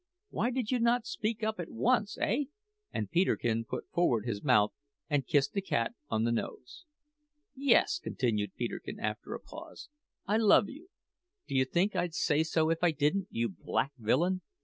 Why did you not speak at once, eh?" and Peterkin put forward his mouth and kissed the cat on the nose! "Yes," continued Peterkin after a pause, "I love you. D'you think I'd say so if I didn't, you black villain?